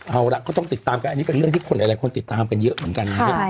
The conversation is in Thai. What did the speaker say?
เอาล่ะก็ต้องติดตามกันอันนี้เป็นเรื่องที่คนหลายคนติดตามกันเยอะเหมือนกันนะครับ